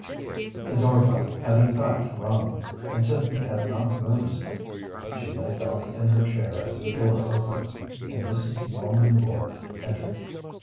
The door bell had in fact rung, and Cynthia had not noticed it. She lay back in her chair as the door opened, and Mrs. Norman Lloyd entered.